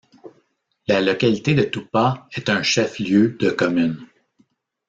La localité de Toupah est un chef-lieu de commune.